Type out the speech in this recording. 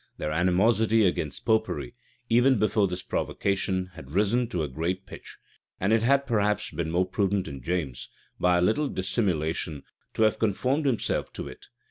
Their animosity against Popery, even before this provocation, has risen to a great pitch; and it had perhaps been more prudent in James, by a little dissimulation, to have conformed himself to it.